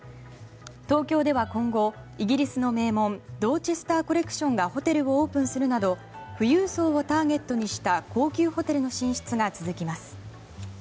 東京では今後イギリスの名門ドーチェスター・コレクションがホテルをオープンするなど富裕層をターゲットにした高級ホテルの進出が続きます。